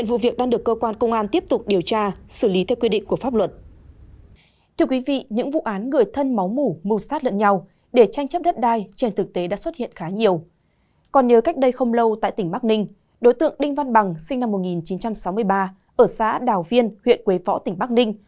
còn nếu cách đây không lâu tại tỉnh bắc ninh đối tượng đinh văn bằng sinh năm một nghìn chín trăm sáu mươi ba ở xã đào viên huyện quế võ tỉnh bắc ninh